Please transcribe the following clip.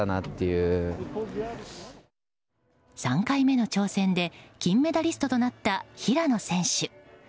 ３回目の挑戦で金メダリストとなった平野選手。